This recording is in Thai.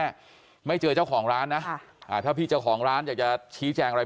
กันแน่ไม่เจอเจ้าของร้านนะถ้าพี่เจ้าของร้านจะชี้แจงอะไร